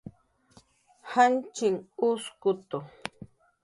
janchinh uskutu